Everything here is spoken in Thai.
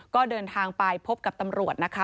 ก็เดินทางไปพบกับตำรวจนะคะ